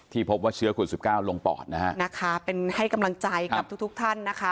ที่พบว่าเชื้อโควิด๑๙ลงปอดนะคะเป็นให้กำลังใจกับทุกทุกท่านนะคะ